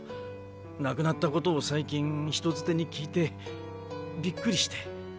亡くなった事を最近人づてに聞いてビックリして。